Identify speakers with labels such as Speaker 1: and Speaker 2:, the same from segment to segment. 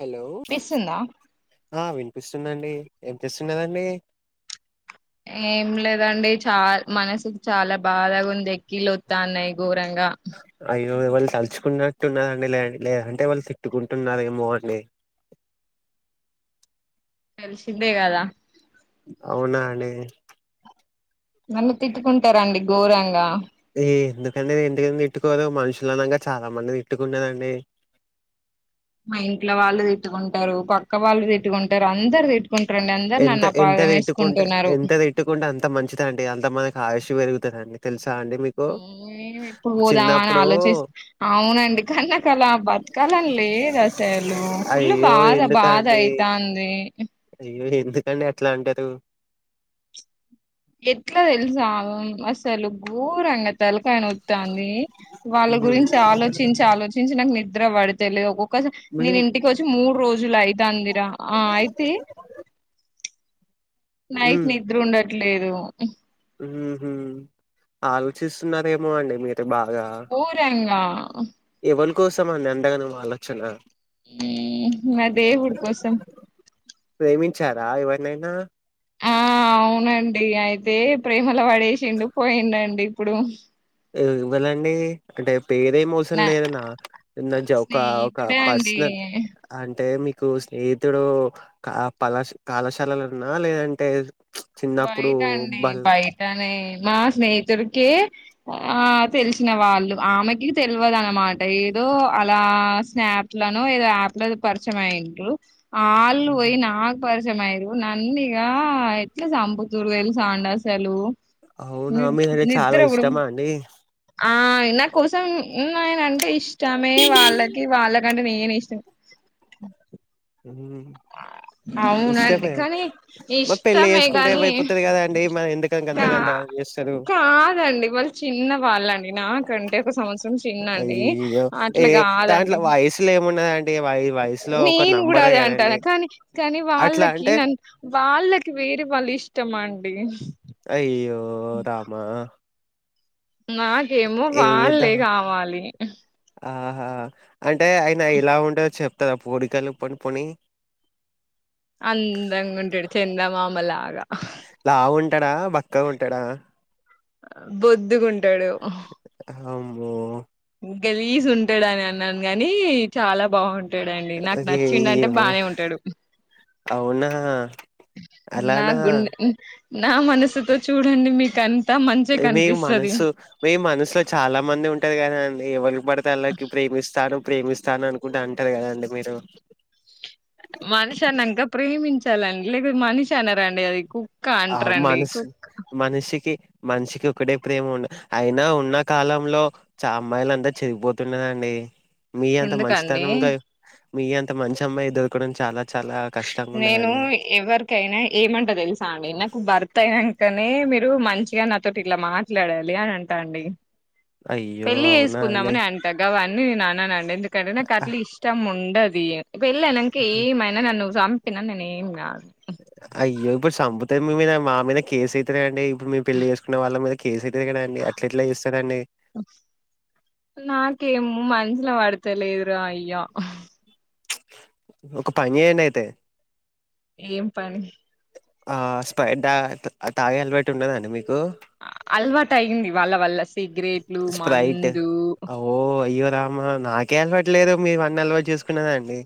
Speaker 1: Hello
Speaker 2: వినిపిస్తుందా
Speaker 1: ఆ విన్పిస్ తుందండి ఏం చేస్తున్నదండి
Speaker 2: ఏం లేదండి చాల్ మనసుకి చాలా బాధగుంది కిలోత్తాన్నాయి ఘోరంగా
Speaker 1: [inaudible] వాళ్ళు తలుచుకున్నట్టు ఉన్నారండి లే అం లేదంటే వాళ్ళు తిట్టుకుంటున్నారేమో అండి
Speaker 2: కల్సిందే గదా
Speaker 1: అవునా అండి
Speaker 2: నన్ను తిట్టుకుంటారండి ఘోరంగా
Speaker 1: ఏ ఎందుకండి [inaudible] తిట్టుకోదు మనుషులు అన్నాక చాలా మంది తిట్టుకున్నదండి
Speaker 2: మా ఇంట్లో వాళ్ళు తిట్టుకుంటారు పక్క వాళ్ళు తిట్టుకుంటారు అందరు తిట్టు
Speaker 1: ఎంత ఎంతదిట్టుకుంటే ఎంతదిట్టుకుంటే అంత మంచిద అండి అంత మన ఆయుషు పేరుగుతదండి తెలుసు
Speaker 2: మేమి ఎప్పుడు పోదామా అని
Speaker 1: చిన్నప్పుడు
Speaker 2: ఆలోచిస్త అవునండి నాకల బతకాలని లేదు అసలు ఫుల్
Speaker 1: అయ్యో
Speaker 2: బాధ బాధ
Speaker 1: ఎందుకండి
Speaker 2: అయితంది
Speaker 1: అయ్యో ఎందుకండి అట్లా అంటారు
Speaker 2: ఎట్ల తెలుసా అసలు గోరంగా తల తల్కాయ్ నొస్తా ఉంది వాళ్ళ
Speaker 1: ఉహు.
Speaker 2: గురించి ఆలోచించి ఆలోచించి నాకు నీద్ నిద్ర పడ్తే లేవకు [unintelligible]
Speaker 1: మీ
Speaker 2: నేను ఇంటికి వచ్చి మూడ్ రోజులయ్తాంది ఆ అయితే నైట్
Speaker 1: మ్
Speaker 2: నిద్ర ఉండద్ లేదు
Speaker 1: హ్మ్ హు ఆలోచిస్తున్నరేమో అండి మీరు బాగా
Speaker 2: గోరంగా ఆ
Speaker 1: ఎవలు కోసం అండి అంతగనం ఆలోచన
Speaker 2: ఆ దేవుడి కోసం
Speaker 1: ప్రేమించారా ఎవరినైనా
Speaker 2: ఆ అవునండి అయితే ప్రేమలో పడేసిండు పోయిండండి ఇప్పుడు
Speaker 1: ఎవ్వలండి ఒకటే పేరేం అవసం
Speaker 2: నా
Speaker 1: లేదునా [unintelligible] ఒక ఒక
Speaker 2: స్నేహితుడే అండి
Speaker 1: పర్సనల్ అంటే మీ కు స్నేహితుడు క పళష్ కళాశాలలో ఉన్నాదా లేదంటే చిన్నప్పుడు
Speaker 2: బయటండి
Speaker 1: బల్
Speaker 2: బయటనే మా స్నేహితుడికి ఆ తెలిసిన వాళ్ళు ఆమెకి తెల్వదు అనమాట ఏదో అలా స్నాప్లలను ఏదో యాప్ లో పరిచయం అయింది ఆల్ పోయి నాకు పరిచ మయిన్రు నన్నీగా చంపుతున్రు తెలుసా ఆండ్ అసలు
Speaker 1: అవునా
Speaker 2: ని
Speaker 1: మీరంటే
Speaker 2: నిద్ర
Speaker 1: చాలా
Speaker 2: కూడా
Speaker 1: ఇష్టమా అండి
Speaker 2: ఆ ఎన్న కో నేనంటే ఇష్టమే వాళ్ళకి వాళ్ళకంటే నేను నేను ఇష్టం అవునండి
Speaker 1: ఇష్టమే
Speaker 2: కానీ
Speaker 1: మరి పెళ్ళి
Speaker 2: ఇష్టమే
Speaker 1: చేసుకుంటే
Speaker 2: గాని
Speaker 1: ఏమైపుతుంది కదా అండి మరి ఎందుకక
Speaker 2: కా
Speaker 1: అంతంత చేస్తారు
Speaker 2: కంటే ఒక సంవత్సరం చిన్నండి
Speaker 1: అయ్యో! ఏ
Speaker 2: అట్లా
Speaker 1: దాంట్లో
Speaker 2: కాదండి
Speaker 1: వయసులో ఏమున్నదండి? వయ వయసులో ఒక
Speaker 2: నేన్ కూడా
Speaker 1: నంబరే
Speaker 2: అదే అంట
Speaker 1: కదండీ.
Speaker 2: కానీ కానీ
Speaker 1: అట్లా
Speaker 2: వాళ్ళకి
Speaker 1: అంటే
Speaker 2: న వాళ్ళకి వేరే వాళ్ళ ఇష్టం అండి
Speaker 1: అయ్యో ఓ రామా
Speaker 2: నాకేమో
Speaker 1: ఏం
Speaker 2: వాళ్లే
Speaker 1: చేద్దామండి?
Speaker 2: కావాలి
Speaker 1: ఆహా అంటే అయన ఇలా ఉండొచెప్పు పోడికలు పొడి పోని
Speaker 2: అందంగా ఉంటాడు చందమామ లాగా
Speaker 1: అంటాడా బక్కగా ఉంటాడా
Speaker 2: బొద్దుగుంటాడు
Speaker 1: అబ్బో
Speaker 2: గలీసి ఉంటాడుని అన్నాను గాని చాలా బాగుంటా ఉంటాడండి నాకు నచ్చింది అంటే
Speaker 1: అయ్యయ్యో!
Speaker 2: బానే ఉంటాడు
Speaker 1: అవునా
Speaker 2: నా
Speaker 1: అలానా?
Speaker 2: గున్ నా మనసుతో చూడండి మీకు అని
Speaker 1: మే మనసు మే మనసులో చాలా మంది ఉంటు కద ఏవళ పడతల్లకి ప్రేమిస్తారు ప్రేమిస్తాను అనుకుంటే అంటారు కదాండి మీరు
Speaker 2: మనిషి అనింక ప్రేమించాలండి లేక మనిషి అన రండి అది
Speaker 1: ఆ
Speaker 2: అంటారండి
Speaker 1: మనస్ మనుషికి మనిషి కి ఒకటే ప్రేమ ఉండ అయినా ఉన్న కాలంలో చ అమ్మాయిల అంతా చెడిపోతున్నరండి మీ అంత
Speaker 2: ఎందుకండి
Speaker 1: మంచితనం కా మీ అంత మంచి అమ్మాయి దొరకడం చాలా చాలా కష్టంగా
Speaker 2: నేను
Speaker 1: ఉన్నదండి
Speaker 2: ఎవరికైనా ఏమంట తెలుసా అండి నాక్ భర్త అయినాకనే మీరు మంచిగా నాతోటి ఇలా మాట్లాడాలి అని అంటా అండి
Speaker 1: అయ్యో
Speaker 2: పెళ్లి
Speaker 1: అవునా అండి
Speaker 2: చేసుకుందామని అంటాగావ నేను ఆన అండి ఎందుక్ ఎక్కడనా
Speaker 1: అ-
Speaker 2: కర్లీ ఇష్టం ఉండి అంటది పెళ్లి అయినంకా ఏమైనా నన్ను సంప్ తినన్ నే ఏం కాదు
Speaker 1: అదే మీ మీద మా మీద కేసు అయితాది అండి ఇప్పుడు మ మీము పెళ్లి చేసుకున్న వాళ్ళం కదా కేసు అయితాది కదా అండి అట్లా ఎట్లా చేస్తారా అండి
Speaker 2: నాకేమో మనసులో పడతలేదు రా అయ్యా
Speaker 1: ఒక పని చేయండి అయితే
Speaker 2: ఏం పని
Speaker 1: ఆ స్పారైట్ తాగే అలవాటు ఉందా అండి మీకు
Speaker 2: అలవాటు అయింది వాళ్ళ వల్ల సిగరెట్లు
Speaker 1: స్ప్రైట్
Speaker 2: మందు
Speaker 1: లేదు మేము అన్ని అలవాట్టు చేసుకున్నాండి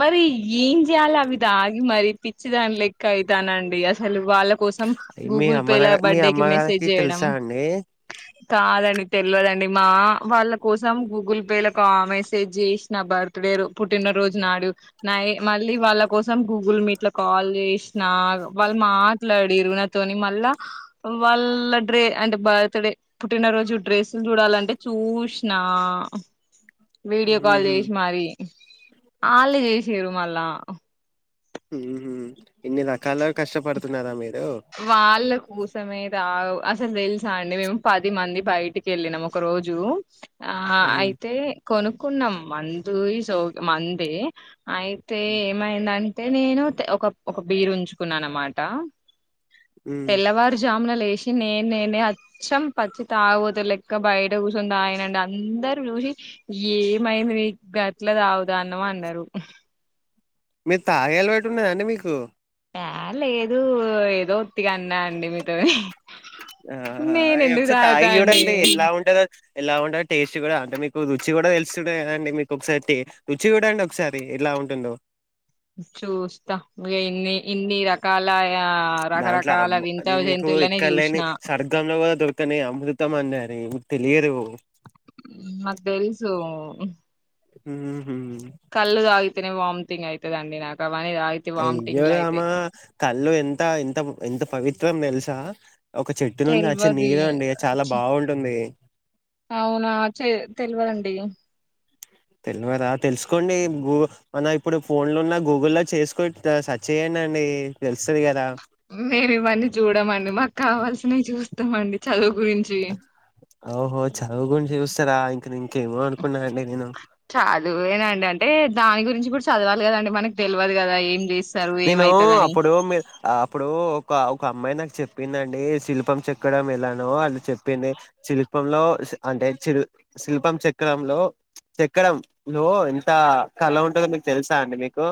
Speaker 2: మరి ఏం చేయాలి అవి తాగి మరి పిచ్చి దాని లెక్క అయితనండి అసలు వాళ్ళ కోసం
Speaker 1: మీ
Speaker 2: గూగుల్
Speaker 1: అమ్మ నా
Speaker 2: పేల
Speaker 1: మీ
Speaker 2: బడ్డే కి మెసేజ్
Speaker 1: అమ్మగారికి
Speaker 2: చేయడం,
Speaker 1: తెలుసా అండి
Speaker 2: కాదండి తెల్వతండి మీ మామా వాళ్ళ కోసం గూగుల్ పే లకు ఆ మెసేజ్ చేసిన బర్త్డే రో పుట్టినరోజు నా ఏ మళ్ళీ వాళ్ళ కోసం గూగుల్ మీట్ లో కాల్ చేసి నా వాళ్ళు మాట్లాడిరు నా తోని మళ్ళా వాళ్ళ డ్రే అంటే బర్త్డే పుట్టినరోజు డ్రెస్సులు చూడాలంటే చూశనా వీడియో కాల్
Speaker 1: ఉహు
Speaker 2: చేసి మరి అల్లే చేసిరు మళ్ళా
Speaker 1: ఉమ్ హామ్ ఇన్ని రకాలుగా కష్టపడుతున్నారా మీరు
Speaker 2: వాళ్ళ కోసమే అసలు తెలుసా అండి మేము పది మంది బయటికి వెళ్ళినం ఒక రోజు ఆ
Speaker 1: ఉహు,
Speaker 2: అయితే కొనుక్కున్నాం మందు సో మందే అయితే ఏమైందండ్ అయితే నేను ఒక్క బీరు ఉంచుకున్నాను అన్నమాట
Speaker 1: ఉహు.
Speaker 2: తెల్లవారుజామ్ ల లేసి నేను నేనే అచ్చం పచ్చి తాగదు లెక్క బయట కూర్చొని తాగనడి అందరు చూసి ఏమైంది మీ గట్ల తాగుతాన్డావ్ అన్నారు
Speaker 1: మీరు తాగే అలవాటు ఉన్నాదండి మీకు
Speaker 2: ఏ లేదు ఏదో ఉట్టిగా అన్నా అండి మీతోనీ
Speaker 1: ఆహా
Speaker 2: నేను ఎందుకు
Speaker 1: ఒకసారి
Speaker 2: తాగుతా
Speaker 1: తాగి
Speaker 2: అండి
Speaker 1: చూడండి ఎలా ఉంటదో ఎలా ఉండదు టేస్ట్ కూడా అంటే మీకు రుచి కూడా తెలుస్తు కండి మీకు ఒకసారి రుచి కూడా అండి ఒకసారి ఇలా ఉంటుందో
Speaker 2: చూస్తా ఇన్ని ఇన్ని రకాల
Speaker 1: దాంట్లో అమ్
Speaker 2: రకరకాల వింత
Speaker 1: అది మీకు
Speaker 2: జంతువులనే
Speaker 1: ఇక్కడ
Speaker 2: చూసిన
Speaker 1: లేని సర్గంలో కూడా దొరకని అమృతం అన్నారు తెలియేది
Speaker 2: మ నక్ తెల్సు
Speaker 1: హమ్
Speaker 2: కల్ళగితే వామిటింగ్ అవుతుదండి నాకు అవన్నీ తాగితే
Speaker 1: అ ఇయ్యో
Speaker 2: వామిటింగ్లు
Speaker 1: అమ్మ
Speaker 2: అయితాయి
Speaker 1: కల్ళు ఎంత ఎంత ఎంత పవిత్ర ఇత్రం తెల్సా ఒక చెట్టు నుంచి వచ్చి
Speaker 2: తెల్వది
Speaker 1: నీళ్ళ అండి చాలా బాగుంటుంది
Speaker 2: అవునా చె తెలివదండి
Speaker 1: తెలివద తెలుసుకోండి గూ మనం ఇప్పుడు ఫోన్ లో ఉన్న గూగుల్లో చేసుకుసెర్చ్ చేయ్యనండి తెలుస్తుంది కదా
Speaker 2: మేమి ఇవన్నీ చూడమండి మాకు కావల్స చూస్తామండి చదువు గురించి
Speaker 1: ఓహా చవు గు శస్త సర
Speaker 2: చాలు ఏనాంటడి అంటే దాని గురించి కూడా చదవాలి కదండి మనకు తెలియదు కదా ఏ
Speaker 1: నేను అప్పుడు మీ అప్పుడు ఒక ఒక అమ్మాయి నాకు చెప్ చెప్పిందండి శిల్పం చెక్కడం ఎలానో అది చెప్పింది శిల్పంలో అంటేల్ శిల్పం చెక్కడంలో చెక్కడ లో ఎంత కళ ఉంటుందో మీకు తెలుసా అండి మీకు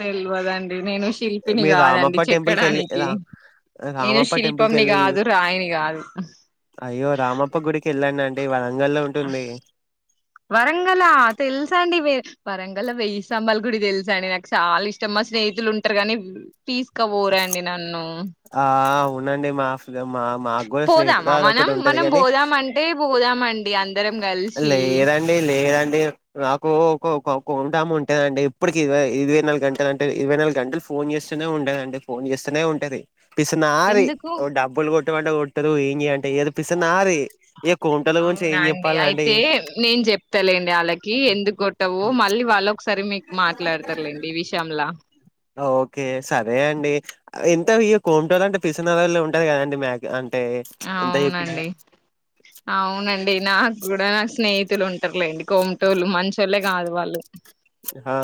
Speaker 2: తెలివదండి నేను శిల్పిని
Speaker 1: మీరు
Speaker 2: కాదండి
Speaker 1: రామప్ప టెంపుల్ కి వెళ్ళి
Speaker 2: చెక్కడానికి
Speaker 1: రా
Speaker 2: నేను
Speaker 1: రామప్ప టెంపుల్ కి
Speaker 2: శిల్పంని
Speaker 1: వెళ్ళి
Speaker 2: కాదు రాయిని కాదు
Speaker 1: ళ్
Speaker 2: వరంగలా అ తెల్సా అండి వే వరంగల్ వెయ్యి సంబల్ గుడి తెలుసాండి నాకు చాలా ఇష్టంమా స్నేహితులు ఉంటారు కాగానీ తీసుక పోరాండి నన్ను
Speaker 1: ఉనే మాఫ మా మాగో స్నేహితులు
Speaker 2: పోదామా
Speaker 1: అది
Speaker 2: మనం
Speaker 1: ఒకటి ఉంటది
Speaker 2: మనం
Speaker 1: కాగాని
Speaker 2: పోదామంటే పోదామండి అందరం కలిసి
Speaker 1: లేదండి లేదండి నాకు ఒక ఒక్క కొంటాము ఉంటేదండి ఇప్పడుకి ఇవై ఇరవై నాలు గంటలు అంటే ఇరవై నాలుగు గంటలు ఫోన్ చేస్తూనే ఉండేదండి అ ఫోన్ చేస్తూనే ఉంటది పిసినారి
Speaker 2: ఎందుకు
Speaker 1: ఒక డబ్బులు కూడా ఎట్టు వంట కొట్టరు ఏం అంటే ఏదిపిస్తున్నరి
Speaker 2: అవునాండి అయితే నేను చెప్తాలేండి వాళ్ళకి ఎందుకు కొట్టవుో మళ్ళీ వాళ్ళు ఒకసారి మీకు మాట్లాడతారులేండి ఈ విషయలా
Speaker 1: ఓకే సరే అండి ఎంత ఇగ కోంటోల్లు అంటే పిసినారొల్లే ఉంటది కదండి మ్యాగ్ అన్
Speaker 2: అవునండి అవునండి నాక్కూడా నాకు స్నేహి తులు ఉంటర్లేండి కోంటోల్లు మంచోళ్లే కాదు వాళ్ళు
Speaker 1: ఎహా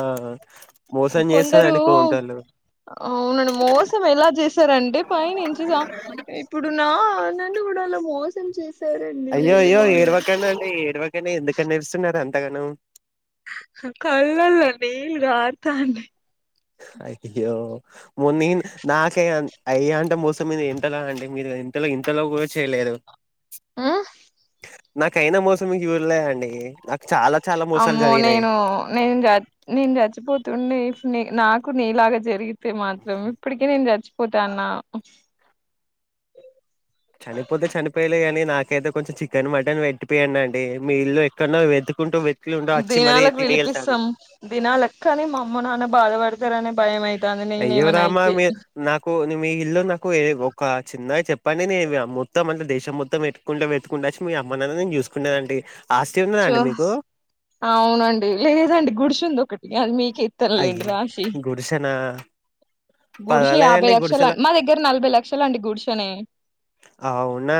Speaker 2: కొందరు అవున అండి మోసం ఎలా చేశారంటే పైనుంచి సా ఇప్పుడు నాన్. నన్ను కూడా అలా మోసం చేస్
Speaker 1: అయ్యో అయ్యో ఏడ్వకన్నా అండి ఏడ్వ గనే ఎందుకని ఏడుస్తున్నారు అంతగనో
Speaker 2: కళ్ళలో నీల్ గార్ తాండి
Speaker 1: అయ్యో ఓ నీన్ నాకే అన్ అయ్య అంట మోసం మీద ఇంతలా అండి మీరు ఇంతలో ఇంతలో కూడా చేయలేదు నాకయినా మోసం మీక్ ఉర్లో అండి చాలా చాలా మోసాలు
Speaker 2: అమ్మో
Speaker 1: జరిగినాయి
Speaker 2: నేను నేను చచ్ నేను చచ్చిపోతుండే నీ నాకు నీలాగా జరిగి తే మాత్రం ఇప్పటి నేన్ జచ్ పోతనా
Speaker 1: చనిపోతే చనిపోయలే కాని నాకైతే కొంచం చికెన్ మటన్ పెట్టిపియండి అండి మీ ఇల్లు ఎక్కడన్నా వెతుకుంటూ వెతుకుంటూ వచ్చి మరీ
Speaker 2: దినాలకు
Speaker 1: తిని వెళ్తాను
Speaker 2: పిలిపిస్తాం దినాలకు కాని మా అమ్మ నాన్న బాధ పడతారనే
Speaker 1: అయ్యో రామ్మ మీ నాకు మీ ఇల్లు నాకు ఒక చిన్నగా చెప్పండి నేను మొత్తం అంటే దేశం మొత్తం పెట్టుకుంట పెట్టుకుంటా వచ్చి మీ అమ్మ నేను చూసుకుంటానండి.
Speaker 2: చూస్ అవునండి లేదదండి గుడ్చుంది ఒకటి గర్మీ
Speaker 1: అయ్యో గుడిసనా
Speaker 2: గుడిసె యాభై లక్షల మా దగ్గర నలభై లక్షలండి గుడిసెనే.
Speaker 1: అవునా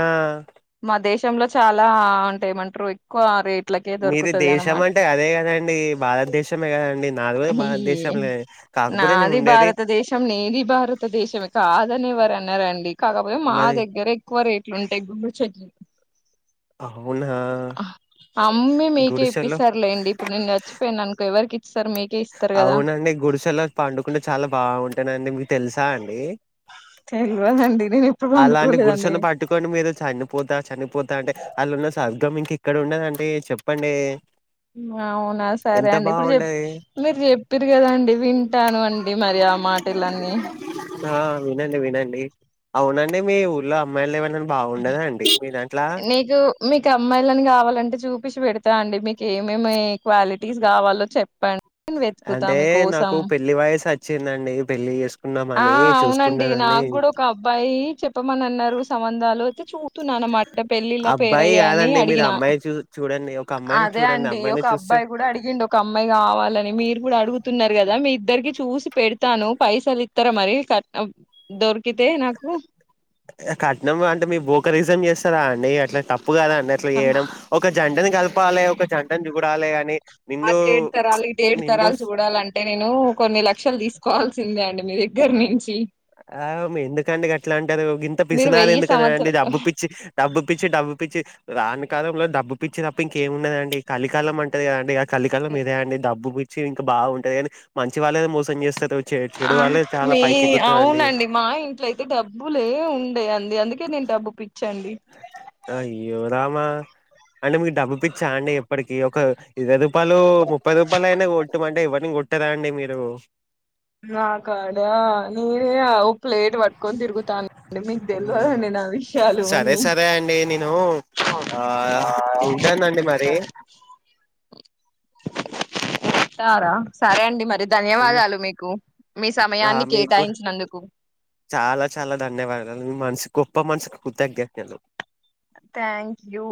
Speaker 2: మా దేశంలో చాలా అంటే ఏమంటారు ఎక్కువ రేట్ ట్లకే
Speaker 1: మీది
Speaker 2: దొరుకుతది
Speaker 1: దేశం
Speaker 2: అన్నమాట
Speaker 1: అంటే అదే కదండి భారతదేశమే కదండి నాది కూడా
Speaker 2: అయియే
Speaker 1: భారతదేశంలే కాకపోతే నేను
Speaker 2: నాది
Speaker 1: ఉండేది
Speaker 2: భారతదేశం నేది భారతదేశమే కాదనేవర అన్నారండి కాకపోతే మా
Speaker 1: మాది
Speaker 2: దగ్గర ఎక్కువ రేట్. ఉంటేగు చే
Speaker 1: అవునా
Speaker 2: ఆహ్ అమ్మీ మీకే
Speaker 1: గుడిసెలో
Speaker 2: ఇప్పిస్సారులేండి ఇప్పుడు నేను చచ్చిపోయిను అనుకో ఎవరికి. ఇస్తారు మీకే ఇస్తారు కదా
Speaker 1: అవునండి గుడిసెలో పండుకుంటే చాలా బాగుంటుంది [unintelligible] తెలుసా అండి
Speaker 2: తెల్వదండి నేను ఎప్పుడు
Speaker 1: అలాంటి
Speaker 2: వండుకోలేదండి
Speaker 1: గుడిసెను పట్టుకని మీరు చనిపోతా చనిపోతా అంటే అలున్న ఇంకా మీకి ఇక్కడ ఉండదంటె చెప్పండి
Speaker 2: అవునా సరే
Speaker 1: ఎంత
Speaker 2: అండి ఇప్పుడు చెప్
Speaker 1: బాగుంటది
Speaker 2: మీరు చెప్పిరు కదండి వింటాను అండి మరి ఆ మాటలన్నీ
Speaker 1: ఆ వినండి వినండి అవునండి మీ ఊర్లో అమ్మాయిలు ఏవ
Speaker 2: నీకు మీకు అమ్మాయిలని కావాలంటే చూపిించి పెడతా అండి మీక ఏమేమి క్వాలిటీస్ కావాలో చెప్ప చెప్పండీ
Speaker 1: అంటే
Speaker 2: వెతుకుతాం మీ కోసం
Speaker 1: నాకు పెళ్లి వయసు వచ్చిందండి పెళ్లి
Speaker 2: ఆ
Speaker 1: చేసుకుందామని
Speaker 2: అవునండి
Speaker 1: చూసుకున్నానని
Speaker 2: నాకు కూడా ఒక అబ్బాయి చెప్పమని అన్నారు సంబంధాలు అలాగైతే చూడు న్నాన్నమాట పెళ్ళిళ
Speaker 1: అబ్బాయి
Speaker 2: పేరయ్యా అని
Speaker 1: కాదండి మీరు
Speaker 2: అడిగిన
Speaker 1: అమ్మాయి చూ చూడండి ఒక అమ్మాయిని
Speaker 2: అదే
Speaker 1: చూడండి
Speaker 2: అండి
Speaker 1: అమ్మాయిని
Speaker 2: ఒక
Speaker 1: చూస్తే
Speaker 2: అబ్బాయి కూడా అడిగిండి ఒక అమ్మాయి కావాలని మీరు కూడా అడుగుతున్నారు కదా మీ ఇద్దరికి చూసి పె తను పైసలి ఇత్తర మరిీ క దొర్
Speaker 1: కట్నం అంటే మీ బో ఒకరిజ ఎస్ ా అండి అట్లా తప్పు కదా అండి అట్లా చేయడం ఒక జ జంటను కలపాలే ఒక జంటను చూడాలే అని నిండు
Speaker 2: అటే ఏడు తరాలు ఇటు ఏడు
Speaker 1: నిండు
Speaker 2: తరాలు చూడాలంటే నేను కొన్ని లక్షలు తీసుకు కావాల్సిందే అండి మీ దగ్గర నుంచి
Speaker 1: ఆ ఎందుకండి గట్లా అంటరూ ఇంత
Speaker 2: మీరు
Speaker 1: పిసినారి
Speaker 2: వెయ్యి
Speaker 1: ఎందుక
Speaker 2: సంవత్సర
Speaker 1: అండి డబ్బు పిచ్చి డబ్బు పిచ్చి డబ్బు పిచ్చి రాని కాలంలో డబ్బు పిచ్చినప్పు ఇంకేమున్నదండి కలికాలం అంటంది కదండి కలికాలం మీదే అండి డబ్బు చే ఇంకా బాగుంటుంది కానీ మంచి వాళ్ళ మోసం చేస్తారు చె
Speaker 2: ఆ
Speaker 1: చెడు వాళ్లే చాలా
Speaker 2: మీ
Speaker 1: పైకి ఎ
Speaker 2: అవునండి మా ఇంట్లో అయితే డబ్బులే ఉండేయి అందుకని నేన్ డబ్బు పిచ్చే
Speaker 1: అ ఇ ఆ మా అంటే మీకు డబ్బు పిచ్చా అండి ఎప్పటికి ఒక ఇరవై రూపాయలు ముప్పై రూపాయలు అయినా కొట్టటు అంటే ఎవ్వరిని కొట్టదా అండి మీరు
Speaker 2: నాకాడా నేనే అ ఓ ప్లేట్ పట్టుకొని తిరుగుతాను అంటే మీకు
Speaker 1: ఉమ్.
Speaker 2: తెల్వదండీ నా విషయాలు ఇవన్నీ
Speaker 1: ను ఆ ఉంటానండి మరి
Speaker 2: ఉంటారా సరే అండి మరి
Speaker 1: ఉన్న
Speaker 2: ధన్యవాదాలు మీకు మీ
Speaker 1: ఆ,
Speaker 2: సమయాన్ని
Speaker 1: మీకు కూడా
Speaker 2: కేటాయించినందుకు,
Speaker 1: చాలా చాలా ధన్యవాదాలు మీ మనసు గొప్ప మనసుకు కృతజ్ఞతలు
Speaker 2: థ్యాంక్ యూ